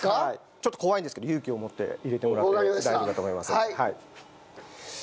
ちょっと怖いんですけど勇気を持って入れてもらって大丈夫だと思います。